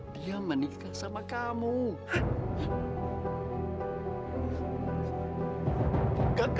dia menikah sama kakek